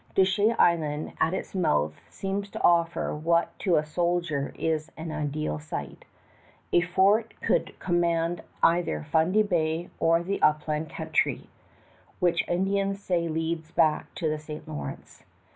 Dochet Island at its mouth seems to offer what to a soldier is an ideal site. A fort here could command either Fundy Bay or the upland country, which Indians say leads back to the St. Lawrence.